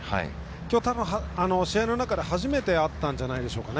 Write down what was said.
きょう試合の中で初めて合ったんじゃないでしょうかね。